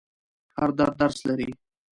هر درد درس لري.